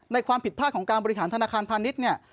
ความผิดพลาดของการบริหารธนาคารพาณิชย์เนี่ย